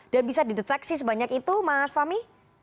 dan bisa dideteksi sebanyak itu mas fahmi